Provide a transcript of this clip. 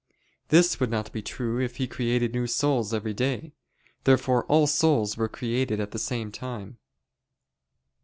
This would not be true if He created new souls every day. Therefore all souls were created at the same time.